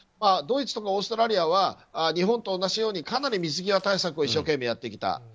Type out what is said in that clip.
ドイツとかオーストラリアは日本と同じようにかなり水際対策を一生懸命やってきた。